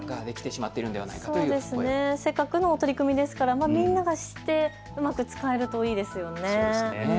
せっかくの取り組みですからみんなが知ってうまく使えるといいですよね。